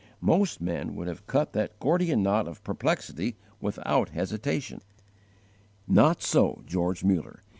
Most men would have cut that Gordian knot of perplexity without hesitation. Not so George Muller.